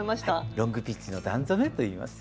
ロングピッチの段染めといいます。